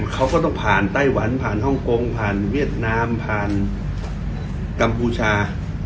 เขาก็ต้องผ่านไต้หวันผ่านฮ่องกงผ่านเวียดนามผ่านกัมพูชา